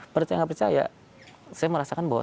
percaya nggak percaya saya merasakan bahwa